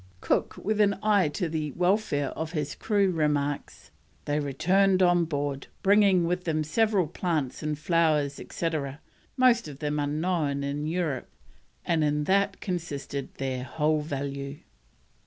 Cook, with an eye to the welfare of his crew, remarks: "They returned on board, bringing with them several plants and flowers, etc., most of them unknown in Europe, and in that consisted their whole value."